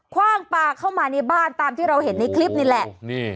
คว่างปลาเข้ามาในบ้านตามที่เราเห็นในคลิปนี่แหละ